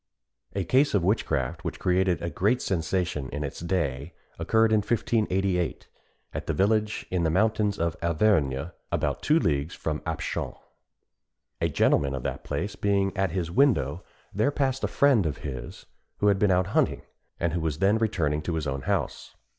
A case of witchcraft, which created a great sensation in its day, occurred in 1588, at a village in the mountains of Auvergne, about two leagues from Apchon. A gentleman of that place being at his window, there passed a friend of his who had been out hunting, and who was then returning to his own house.